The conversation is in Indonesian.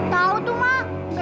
tahu tuh ma